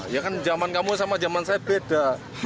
ya kan zaman kamu sama zaman saya beda